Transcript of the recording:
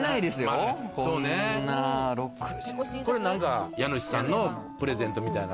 これ、家主さんのプレゼントみたいな？